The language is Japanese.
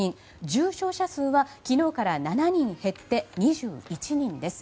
重症者数は昨日から７人減って２１人です。